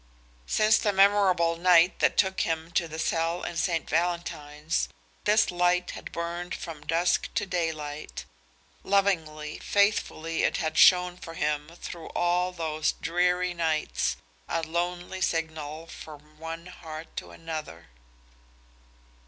Since the memorable night that took him to the cell in St. Valentine's, this light had burned from dusk to daylight. Lovingly, faithfully it had shone for him through all those dreary nights, a lonely signal from one heart to another.